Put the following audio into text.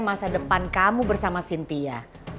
masa depan kamu bersama cynthia